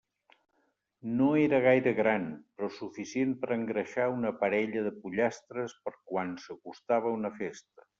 No era gaire gran, però suficient per a engreixar una parella de pollastres per a quan s'acostava una festa.